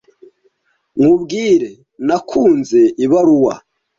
Nkubwire, nakunze ibaruwa.